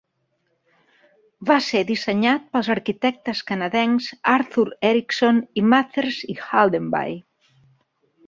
Va ser dissenyat pels arquitectes canadencs Arthur Erickson i Mathers i Haldenby.